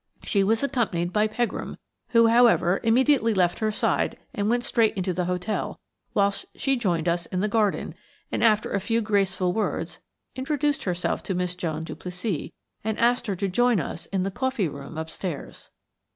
She was accompanied by Pegram, who, however, immediately left her side and went straight into the hotel, whilst she joined us in the garden, and, after a few graceful words, introduced herself to Miss Joan Duplessis and asked her to join us in the coffee room upstairs.